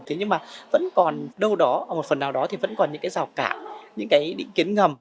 thế nhưng mà vẫn còn đâu đó một phần nào đó thì vẫn còn những cái rào cản những cái định kiến ngầm